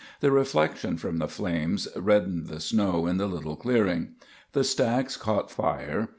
The reflection from the flames reddened the snow in the little clearing. The stacks caught fire.